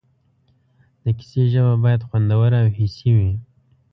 د کیسې ژبه باید خوندوره او حسي وي.